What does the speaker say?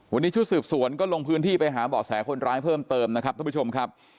วันนี้ชุดสืบสวนก็ลงพื้นที่ไปหาเบาะแสคนร้ายเพิ่มเติมนะครับท่านผู้ชมครับ